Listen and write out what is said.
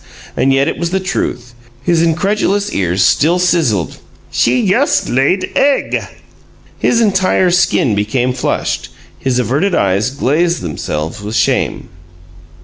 And yet it was the truth; his incredulous ears still sizzled. "She yust laid egg!" His entire skin became flushed; his averted eyes glazed themselves with shame.